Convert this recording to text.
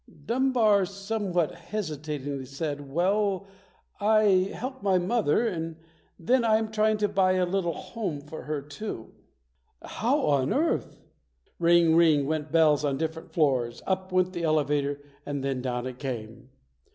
Dunbar, somewhat hesitatingly said, "Well, I help my mother and then I am trying to buy a little home for her, too". "How on earth ?" Ring, ring, went bells on different floors. Up went the elevator and then down it came.